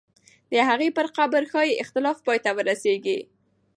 د هغې پر قبر ښایي اختلاف پای ته ورسېږي.